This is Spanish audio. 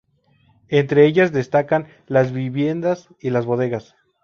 Entre ellas destacan las viviendas y las bodegas.